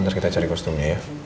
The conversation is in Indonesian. terus kita cari kostumnya ya